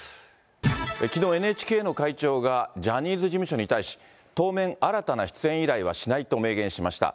きのう、ＮＨＫの会長が、ジャニーズ事務所に対し、当面、新たな出演依頼はしないと明言しました。